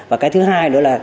và cái thứ hai nữa là